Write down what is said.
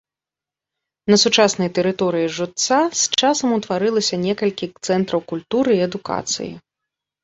На сучаснай тэрыторыі жудца з часам утварылася некалькі цэнтраў культуры і адукацыі.